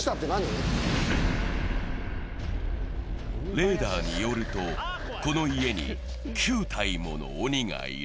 レーダーによると、この家に９体もの鬼がいる。